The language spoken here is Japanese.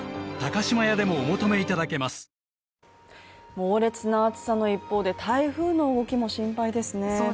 猛烈な暑さの一方で台風の動きも心配ですね。